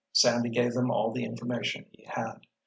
Sandy gave them all the information he had.